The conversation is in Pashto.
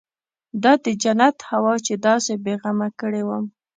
دا د جنت هوا چې داسې بې غمه کړى وم.